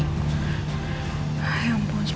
ya ampun semoga elsa cepet ketemu deh